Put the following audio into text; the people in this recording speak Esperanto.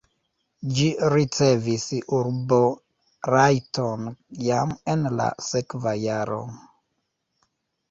Ĝi ricevis urborajton jam en la sekva jaro.